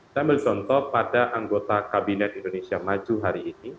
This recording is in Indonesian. saya ambil contoh pada anggota kabinet indonesia maju hari ini